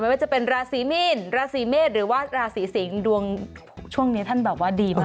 ว่าจะเป็นราศีมีนราศีเมษหรือว่าราศีสิงศ์ดวงช่วงนี้ท่านแบบว่าดีมาก